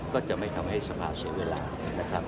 ก็จะไม่ทำให้สภาเสียเวลานะครับ